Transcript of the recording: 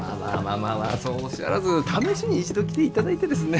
まあそうおっしゃらず試しに一度来ていただいてですね。